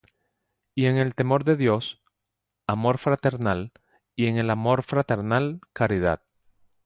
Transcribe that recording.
Y en el temor de Dios, amor fraternal, y en el amor fraternal caridad.